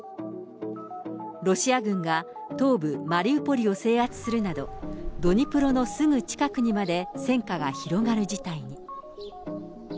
ロシア軍が東部マリウポリを制圧するなど、ドニプロのすぐ近くにまで戦火が広がる事態に。